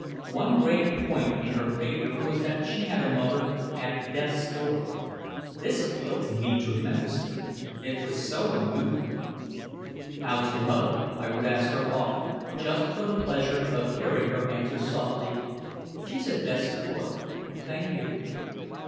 One great point in her favor was that she had a mother "at death's door." This appealed to me tremendously. It was so unusual. "How's your mother?" I would ask her often, just for the pleasure of hearing her answer softly, "She's at death's door, thank you."